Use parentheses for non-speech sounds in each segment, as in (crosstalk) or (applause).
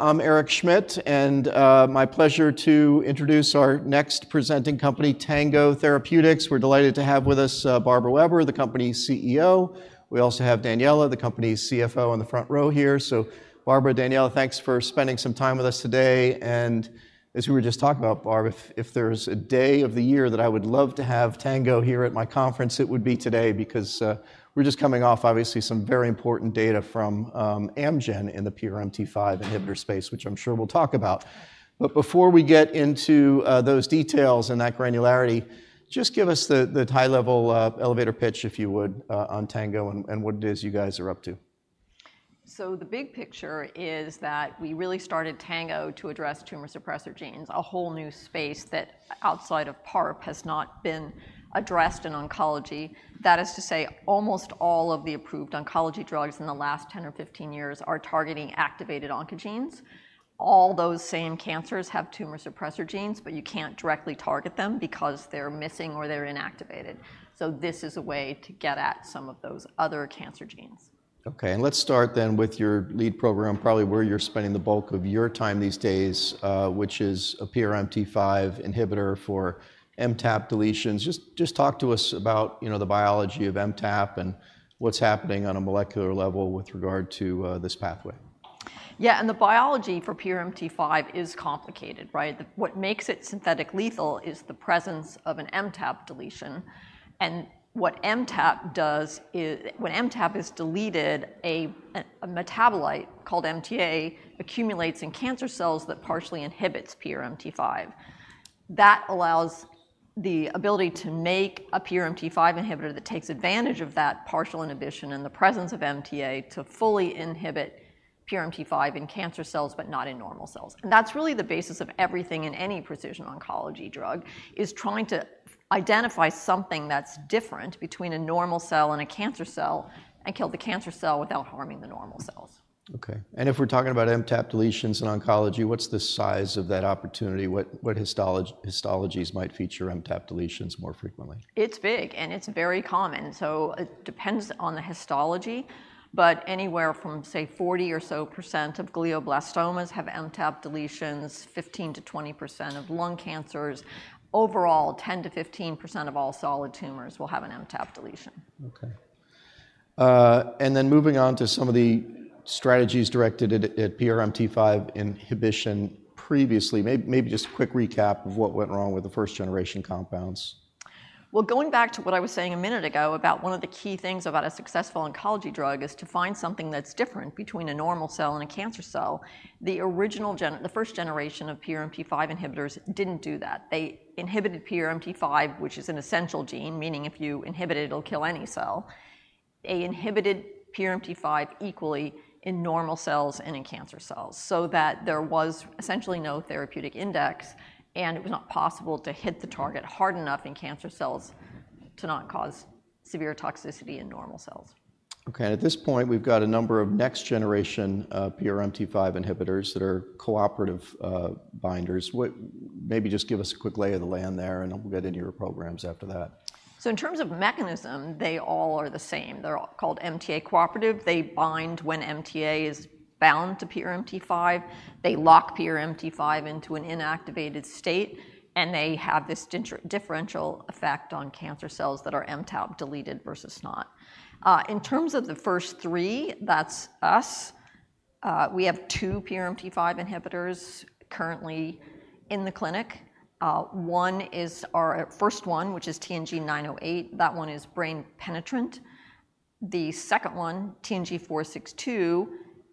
I'm Eric Schmidt, and my pleasure to introduce our next presenting company, Tango Therapeutics. We're delighted to have with us, Barbara Weber, the company's CEO. We also have Daniella, the company's CFO, in the front row here. So Barbara, Daniella, thanks for spending some time with us today. And as we were just talking about, Barb, if there's a day of the year that I would love to have Tango here at my conference, it would be today, because we're just coming off, obviously, some very important data from Amgen in the PRMT5 inhibitor space, which I'm sure we'll talk about. But before we get into those details and that granularity, just give us the high-level elevator pitch, if you would, on Tango and what it is you guys are up to. So the big picture is that we really started Tango to address tumor suppressor genes, a whole new space that, outside of PARP, has not been addressed in oncology. That is to say, almost all of the approved oncology drugs in the last 10 or 15 years are targeting activated oncogenes. All those same cancers have tumor suppressor genes, but you can't directly target them because they're missing or they're inactivated, so this is a way to get at some of those other cancer genes. Okay, and let's start then with your lead program, probably where you're spending the bulk of your time these days, which is a PRMT5 inhibitor for MTAP deletions. Just talk to us about, you know, the biology of MTAP and what's happening on a molecular level with regard to this pathway. Yeah, and the biology for PRMT5 is complicated, right? What makes it synthetic lethal is the presence of an MTAP deletion. And what MTAP does when MTAP is deleted, a metabolite called MTA accumulates in cancer cells that partially inhibits PRMT5. That allows the ability to make a PRMT5 inhibitor that takes advantage of that partial inhibition and the presence of MTA to fully inhibit PRMT5 in cancer cells, but not in normal cells. And that's really the basis of everything in any precision oncology drug, is trying to identify something that's different between a normal cell and a cancer cell and kill the cancer cell without harming the normal cells. Okay. And if we're talking about MTAP deletions in oncology, what's the size of that opportunity? What histologies might feature MTAP deletions more frequently? It's big, and it's very common. So it depends on the histology, but anywhere from, say, 40% or so of glioblastomas have MTAP deletions, 15%-20% of lung cancers. Overall, 10%-15% of all solid tumors will have an MTAP deletion. Okay. And then moving on to some of the strategies directed at PRMT5 inhibition previously. Maybe just a quick recap of what went wrong with the first-generation compounds. Going back to what I was saying a minute ago about one of the key things about a successful oncology drug is to find something that's different between a normal cell and a cancer cell. The original the first generation of PRMT5 inhibitors didn't do that. They inhibited PRMT5, which is an essential gene, meaning if you inhibit it, it'll kill any cell. They inhibited PRMT5 equally in normal cells and in cancer cells, so that there was essentially no therapeutic index, and it was not possible to hit the target hard enough in cancer cells to not cause severe toxicity in normal cells. Okay, and at this point, we've got a number of next-generation PRMT5 inhibitors that are cooperative binders. Maybe just give us a quick lay of the land there, and then we'll get into your programs after that. So in terms of mechanism, they all are the same. They're all called MTA-cooperative. They bind when MTA is bound to PRMT5. They lock PRMT5 into an inactivated state, and they have this differential effect on cancer cells that are MTAP deleted versus not. In terms of the first three, that's us. We have two PRMT5 inhibitors currently in the clinic. One is our first one, which is TNG908. That one is brain penetrant. The second one, TNG462,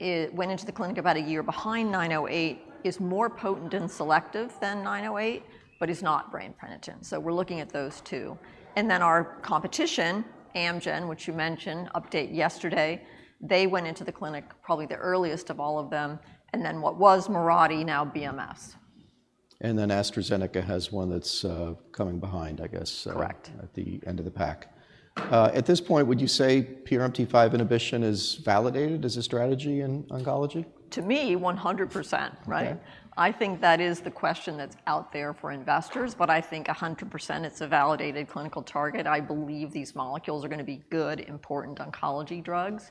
it went into the clinic about a year behind 908, is more potent and selective than 908, but is not brain penetrant, so we're looking at those two. And then our competition, Amgen, which you mentioned, update yesterday, they went into the clinic probably the earliest of all of them, and then what was Mirati, now BMS. And then AstraZeneca has one that's coming behind, I guess. Correct... at the end of the pack. At this point, would you say PRMT5 inhibition is validated as a strategy in oncology? To me, 100%, right? (audio distortion) I think that is the question that's out there for investors, but I think 100% it's a validated clinical target. I believe these molecules are gonna be good, important oncology drugs.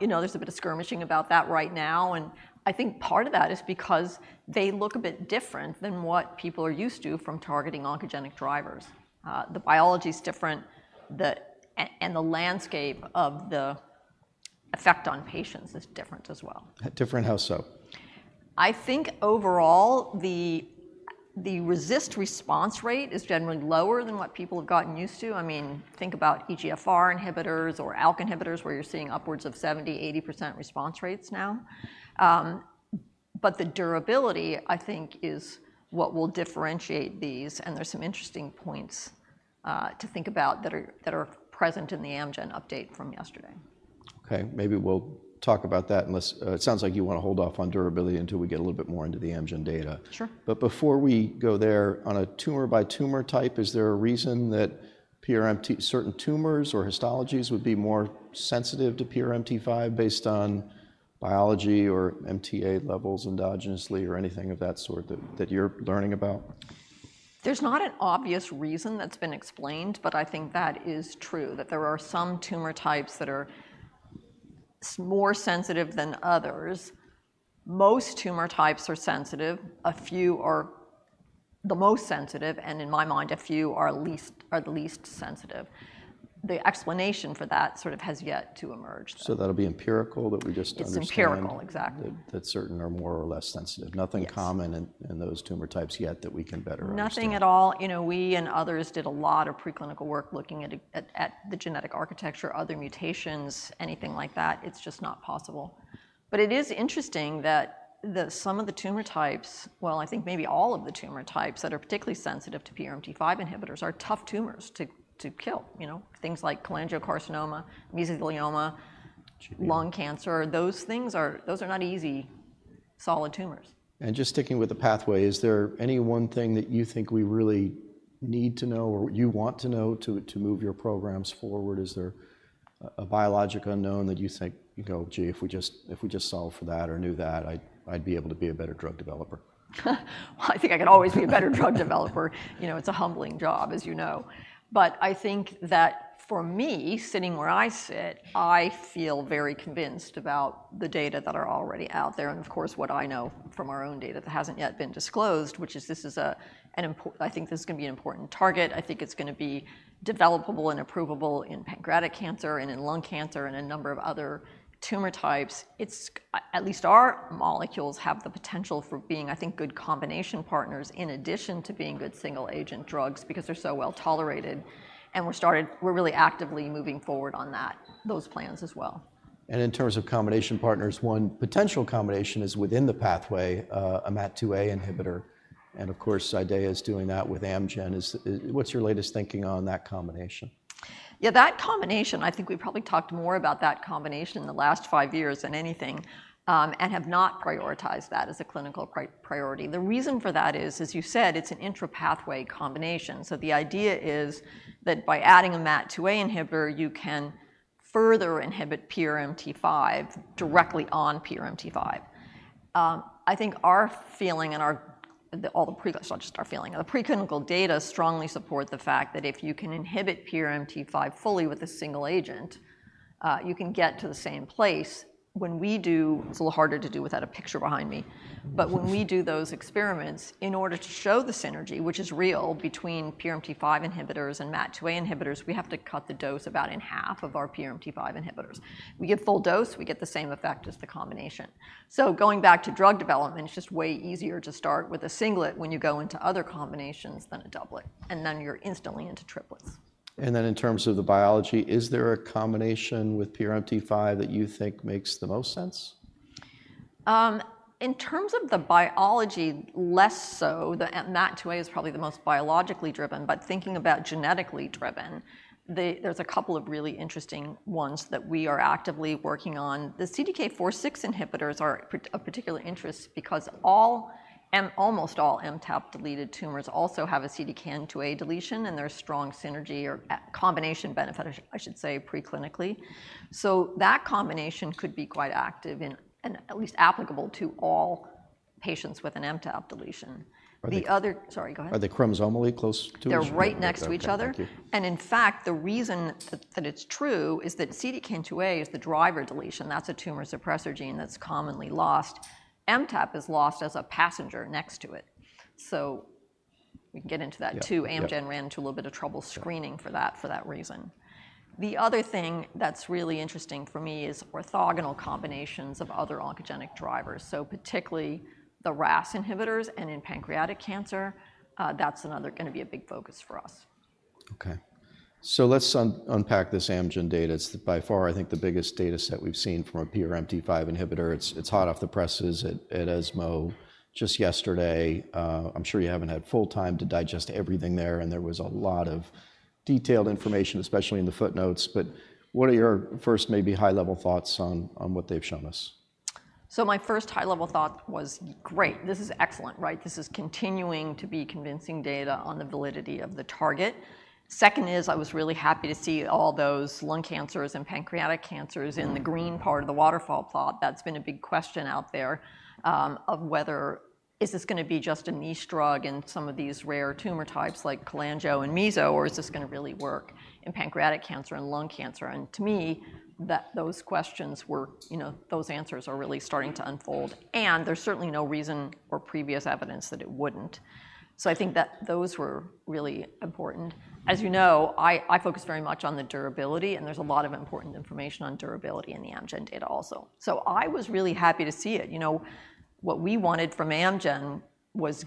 You know, there's a bit of skirmishing about that right now, and I think part of that is because they look a bit different than what people are used to from targeting oncogenic drivers. The biology's different, and the landscape of the effect on patients is different as well. Different how so? I think overall, the response rate is generally lower than what people have gotten used to. I mean, think about EGFR inhibitors or ALK inhibitors, where you're seeing upwards of 70%-80% response rates now. But the durability, I think, is what will differentiate these, and there's some interesting points to think about that are present in the Amgen update from yesterday. Okay, maybe we'll talk about that unless... it sounds like you want to hold off on durability until we get a little bit more into the Amgen data. Sure. But before we go there, on a tumor-by-tumor type, is there a reason that PRMT5- certain tumors or histologies would be more sensitive to PRMT5 based on biology or MTA levels endogenously or anything of that sort that, that you're learning about? ...There's not an obvious reason that's been explained, but I think that is true, that there are some tumor types that are more sensitive than others. Most tumor types are sensitive, a few are the most sensitive, and in my mind, a few are the least sensitive. The explanation for that sort of has yet to emerge. So that'll be empirical, that we just understand- It's empirical, exactly. That certain are more or less sensitive. Nothing common in those tumor types yet that we can better understand. Nothing at all. You know, we and others did a lot of preclinical work looking at the genetic architecture, other mutations, anything like that. It's just not possible. But it is interesting that some of the tumor types. Well, I think maybe all of the tumor types that are particularly sensitive to PRMT5 inhibitors are tough tumors to kill, you know? Things like cholangiocarcinoma, mesothelioma- (audio distortion) Lung cancer, those things are, those are not easy, solid tumors. Just sticking with the pathway, is there any one thing that you think we really need to know or you want to know to move your programs forward? Is there a biologic unknown that you think, you go, "Gee, if we just solved for that or knew that, I'd be able to be a better drug developer? I think I could always be a better drug developer. You know, it's a humbling job, as you know. But I think that for me, sitting where I sit, I feel very convinced about the data that are already out there, and of course, what I know from our own data that hasn't yet been disclosed, which is an important target. I think this is gonna be an important target. I think it's gonna be developable and approvable in pancreatic cancer, and in lung cancer, and a number of other tumor types. It's at least our molecules have the potential for being, I think, good combination partners, in addition to being good single-agent drugs because they're so well-tolerated, and we're really actively moving forward on those plans as well. In terms of combination partners, one potential combination is within the pathway, a MAT2A inhibitor, and of course, Ideaya is doing that with Amgen. Is... What's your latest thinking on that combination? Yeah, that combination, I think we've probably talked more about that combination in the last five years than anything, and have not prioritized that as a clinical priority. The reason for that is, as you said, it's an intra-pathway combination. So the idea is that by adding a MAT2A inhibitor, you can further inhibit PRMT5- Mm... directly on PRMT5. I think our feeling, well, not just our feeling, the preclinical data strongly support the fact that if you can inhibit PRMT5 fully with a single agent, you can get to the same place. It's a little harder to do without a picture behind me. But when we do those experiments, in order to show the synergy, which is real between PRMT5 inhibitors and MAT2A inhibitors, we have to cut the dose about in half of our PRMT5 inhibitors. We give full dose, we get the same effect as the combination. So going back to drug development, it's just way easier to start with a singlet when you go into other combinations than a doublet, and then you're instantly into triplets. Then, in terms of the biology, is there a combination with PRMT5 that you think makes the most sense? In terms of the biology, less so. The MAT2A is probably the most biologically driven, but thinking about genetically driven, there's a couple of really interesting ones that we are actively working on. The CDK4/6 inhibitors are of particular interest because all and almost all MTAP-deleted tumors also have a CDKN2A deletion, and there's strong synergy or combination benefit, I should say, preclinically. So that combination could be quite active and at least applicable to all patients with an MTAP deletion. Are they- Sorry, go ahead. Are they chromosomally close to each other? They're right next to each other. Okay, thank you. In fact, the reason that it's true is that CDKN2A is the driver deletion. That's a tumor suppressor gene that's commonly lost. MTAP is lost as a passenger next to it. We can get into that, too. Yeah, yeah. Amgen ran into a little bit of trouble- (audio distortion) screening for that, for that reason. The other thing that's really interesting for me is orthogonal combinations of other oncogenic drivers, so particularly the RAS inhibitors and in pancreatic cancer. That's another gonna be a big focus for us. Okay. So let's unpack this Amgen data. It's by far, I think, the biggest data set we've seen from a PRMT5 inhibitor. It's hot off the presses at ESMO just yesterday. I'm sure you haven't had full time to digest everything there, and there was a lot of detailed information, especially in the footnotes. But what are your first maybe high-level thoughts on what they've shown us? So my first high-level thought was, "Great, this is excellent," right? This is continuing to be convincing data on the validity of the target. Second is, I was really happy to see all those lung cancers and pancreatic cancers in the green part of the waterfall plot. That's been a big question out there, of whether: Is this gonna be just a niche drug in some of these rare tumor types like cholangio and meso, or is this gonna really work in pancreatic cancer and lung cancer? And to me, that, those questions were... You know, those answers are really starting to unfold, and there's certainly no reason or previous evidence that it wouldn't. So I think that those were really important. As you know, I focus very much on the durability, and there's a lot of important information on durability in the Amgen data also. So I was really happy to see it. You know, what we wanted from Amgen was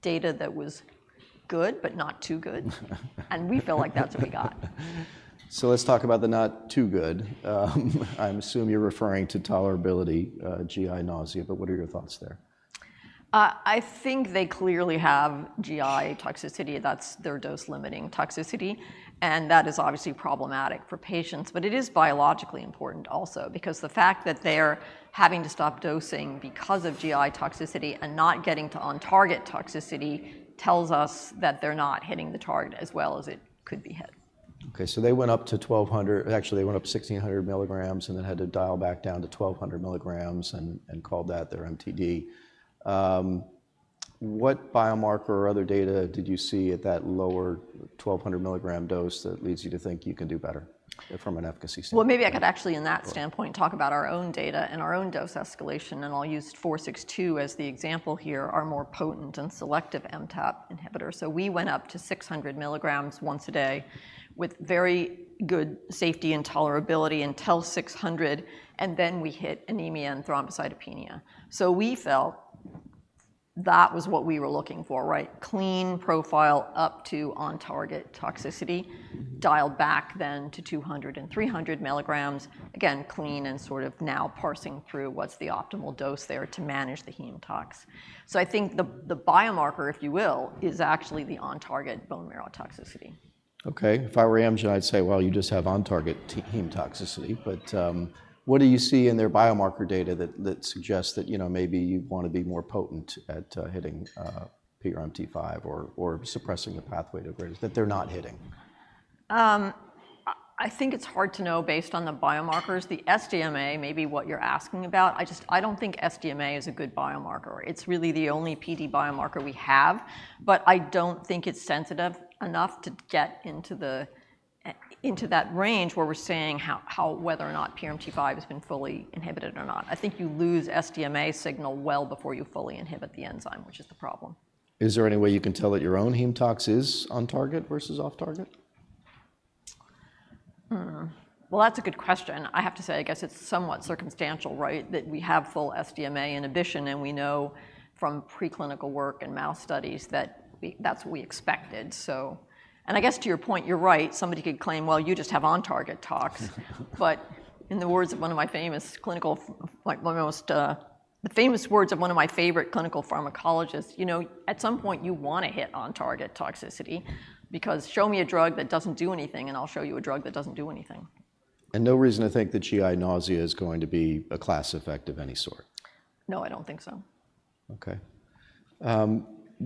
data that was good, but not too good. And we feel like that's what we got. So let's talk about the not too good. I assume you're referring to tolerability, GI nausea, but what are your thoughts there? I think they clearly have GI toxicity. That's their dose-limiting toxicity, and that is obviously problematic for patients, but it is biologically important also, because the fact that they're having to stop dosing because of GI toxicity and not getting to on-target toxicity tells us that they're not hitting the target as well as it could be hit. Okay, so they went up to 1,200, actually, they went up 1,600 mg, and then had to dial back down to 1,200 mg and called that their MTD. What biomarker or other data did you see at that lower 1,200 mg dose that leads you to think you can do better, from an efficacy standpoint? Maybe I could actually, in that standpoint, talk about our own data and our own dose escalation, and I'll use TNG462 as the example here, our more potent and selective MTAP inhibitor. We went up to 600 mg once a day, with very good safety and tolerability until 600, and then we hit anemia and thrombocytopenia. We felt that was what we were looking for, right? Clean profile up to on-target toxicity, dialed back then to 200 and 300 mg. Again, clean and sort of now parsing through what's the optimal dose there to manage the hematox. I think the biomarker, if you will, is actually the on-target bone marrow toxicity. Okay. If I were Amgen, I'd say: Well, you just have on-target hematoxicity. But, what do you see in their biomarker data that suggests that, you know, maybe you'd want to be more potent at hitting PRMT5 or suppressing the pathway to where it is that they're not hitting? I think it's hard to know based on the biomarkers. The SDMA may be what you're asking about. I just don't think SDMA is a good biomarker. It's really the only PD biomarker we have, but I don't think it's sensitive enough to get into that range where we're seeing how whether or not PRMT5 has been fully inhibited or not. I think you lose SDMA signal well before you fully inhibit the enzyme, which is the problem. Is there any way you can tell that your own hematox is on target versus off target? That's a good question. I have to say, I guess it's somewhat circumstantial, right? That we have full SDMA inhibition, and we know from preclinical work and mouse studies that that's what we expected, so. And I guess to your point, you're right, somebody could claim: "Well, you just have on-target tox." But in the words of one of my favorite clinical pharmacologists: "You know, at some point, you wanna hit on-target toxicity, because show me a drug that doesn't do anything, and I'll show you a drug that doesn't do anything. No reason to think that GI nausea is going to be a class effect of any sort? No, I don't think so. Okay.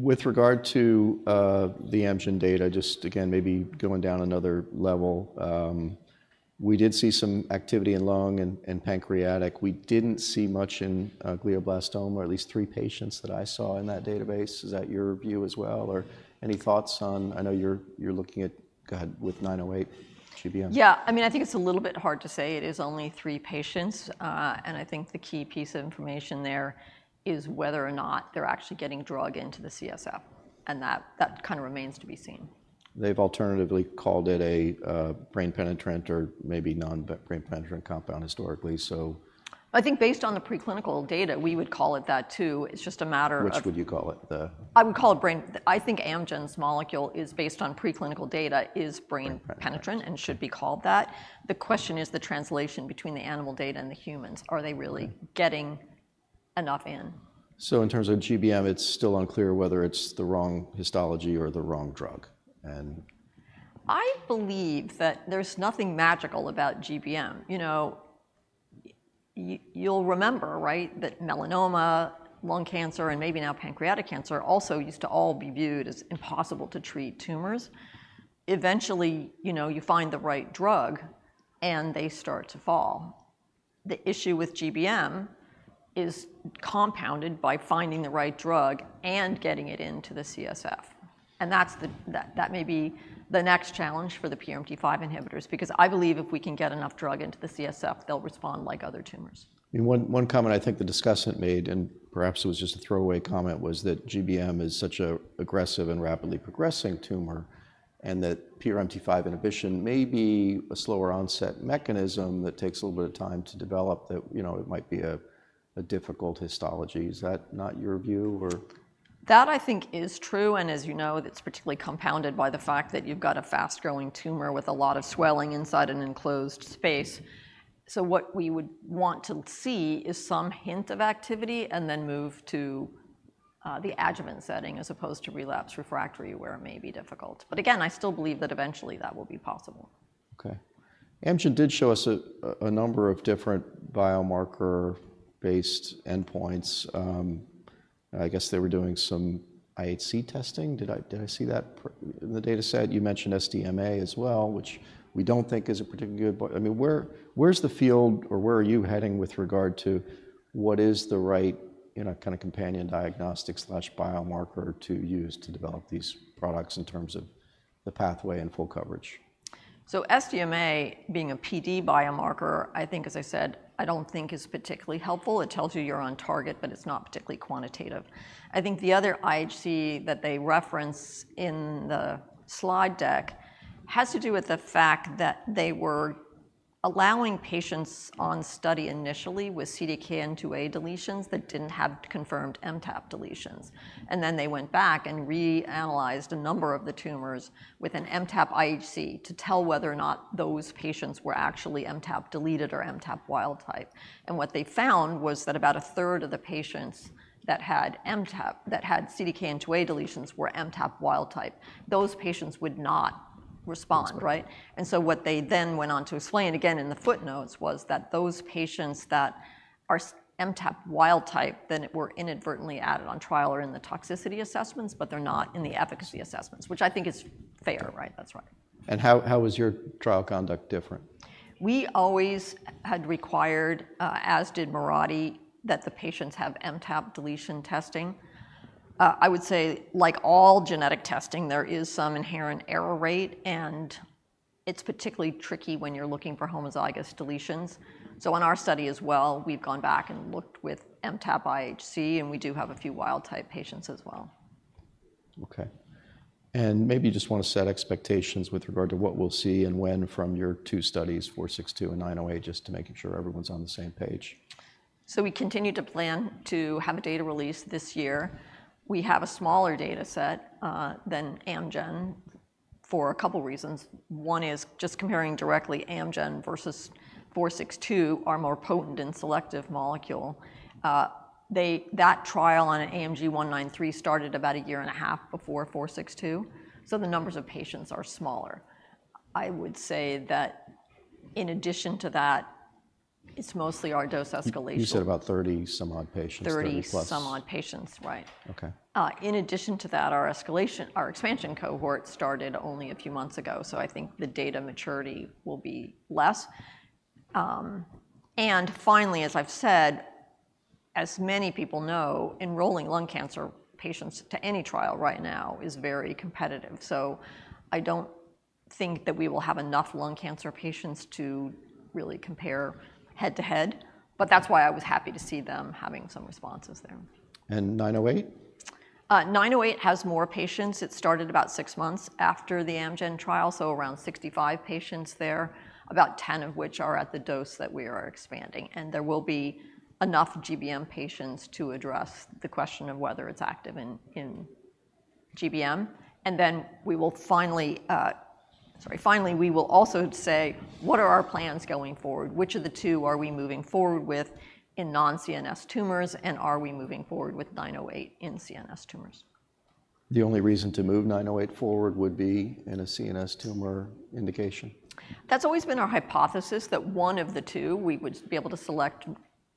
With regard to the Amgen data, just again, maybe going down another level, we did see some activity in lung and pancreatic. We didn't see much in glioblastoma, or at least three patients that I saw in that database. Is that your view as well, or any thoughts on... I know you're looking at, go ahead, with 908 GBM? Yeah. I mean, I think it's a little bit hard to say. It is only three patients, and I think the key piece of information there is whether or not they're actually getting drug into the CSF, and that kind of remains to be seen. They've alternatively called it a brain penetrant or maybe non-brain penetrant compound historically, so. I think based on the preclinical data, we would call it that, too. It's just a matter of- Which would you call it, I think Amgen's molecule, based on preclinical data, is brain penetrant.... and should be called that. The question is the translation between the animal data and the humans. Are they really- Mm... getting enough in? So in terms of GBM, it's still unclear whether it's the wrong histology or the wrong drug, and- I believe that there's nothing magical about GBM. You know, you'll remember, right, that melanoma, lung cancer, and maybe now pancreatic cancer also used to all be viewed as impossible to treat tumors. Eventually, you know, you find the right drug, and they start to fall. The issue with GBM is compounded by finding the right drug and getting it into the CSF, and that's the next challenge for the PRMT5 inhibitors, because I believe if we can get enough drug into the CSF, they'll respond like other tumors. One comment I think the discussant made, and perhaps it was just a throwaway comment, was that GBM is such an aggressive and rapidly progressing tumor, and that PRMT5 inhibition may be a slower onset mechanism that takes a little bit of time to develop, that, you know, it might be a difficult histology. Is that not your view, or? That, I think, is true, and as you know, it's particularly compounded by the fact that you've got a fast-growing tumor with a lot of swelling inside an enclosed space. So what we would want to see is some hint of activity, and then move to the adjuvant setting, as opposed to relapsed/refractory, where it may be difficult. But again, I still believe that eventually, that will be possible. Okay. Amgen did show us a number of different biomarker-based endpoints. I guess they were doing some IHC testing. Did I see that PRMT5 in the data set? You mentioned SDMA as well, which we don't think is a particularly good but... I mean, where's the field or where are you heading with regard to what is the right, you know, kind of companion diagnostic/biomarker to use to develop these products in terms of the pathway and full coverage? SDMA, being a PD biomarker, I think, as I said, I don't think is particularly helpful. It tells you you're on target, but it's not particularly quantitative. I think the other IHC that they reference in the slide deck has to do with the fact that they were allowing patients on study initially with CDKN2A deletions that didn't have confirmed MTAP deletions. They went back and reanalyzed a number of the tumors with an MTAP IHC to tell whether or not those patients were actually MTAP deleted or MTAP wild type. What they found was that about a third of the patients that had CDKN2A deletions were MTAP wild type. Those patients would not respond, right? And so what they then went on to explain, again, in the footnotes, was that those patients that are MTAP wild type were inadvertently added to the trial or in the toxicity assessments, but they're not in the efficacy assessments, which I think is fair, right? That's right. How is your trial conduct different? We always had required, as did Mirati, that the patients have MTAP deletion testing. I would say, like all genetic testing, there is some inherent error rate, and it's particularly tricky when you're looking for homozygous deletions. So in our study as well, we've gone back and looked with MTAP IHC, and we do have a few wild-type patients as well. Okay. And maybe you just wanna set expectations with regard to what we'll see and when from your two studies, 462 and 908, just to make sure everyone's on the same page. We continue to plan to have a data release this year. We have a smaller data set than Amgen for a couple reasons. One is just comparing directly Amgen versus 462, our more potent and selective molecule. That trial on AMG 193 started about a year and a half before 462, so the numbers of patients are smaller. I would say that in addition to that, it's mostly our dose escalation. You said about 30-some-odd patients, 30+. 30-some-odd patients, right? Okay. In addition to that, our escalation, our expansion cohort started only a few months ago, so I think the data maturity will be less. And finally, as I've said, as many people know, enrolling lung cancer patients to any trial right now is very competitive. So I don't think that we will have enough lung cancer patients to really compare head-to-head, but that's why I was happy to see them having some responses there. And 908? 908 has more patients. It started about six months after the Amgen trial, so around 65 patients there, about 10 of which are at the dose that we are expanding. And there will be enough GBM patients to address the question of whether it's active in GBM. And then we will finally, Sorry, finally, we will also say: "What are our plans going forward? Which of the two are we moving forward with in non-CNS tumors, and are we moving forward with 908 in CNS tumors? The only reason to move 908 forward would be in a CNS tumor indication? That's always been our hypothesis, that one of the two, we would be able to select,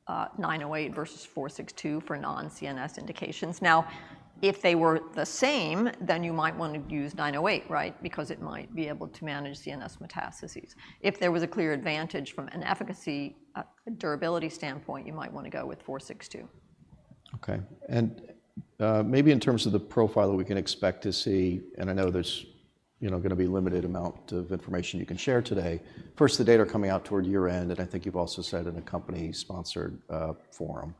908 versus 462 for non-CNS indications. Now, if they were the same, then you might wanna use 908, right? Because it might be able to manage CNS metastases. If there was a clear advantage from an efficacy, durability standpoint, you might wanna go with 462. Okay. And maybe in terms of the profile that we can expect to see, and I know there's, you know, gonna be limited amount of information you can share today. First, the data are coming out toward year-end, and I think you've also said in a company-sponsored forum.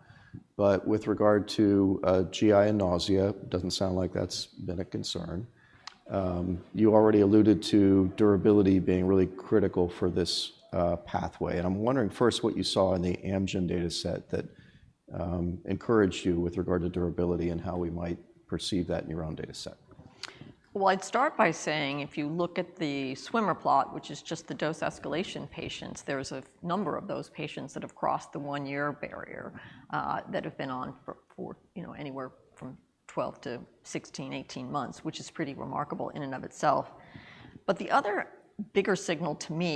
But with regard to GI and nausea, doesn't sound like that's been a concern. You already alluded to durability being really critical for this pathway, and I'm wondering first what you saw in the Amgen data set that encouraged you with regard to durability and how we might perceive that in your own data set. I'd start by saying, if you look at the swimmer plot, which is just the dose escalation patients, there's a number of those patients that have crossed the one-year barrier, that have been on for you know, anywhere from 12 to 16, 18 months, which is pretty remarkable in and of itself. But the other bigger signal to me-